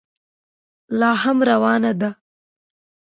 لا هم روانه ده.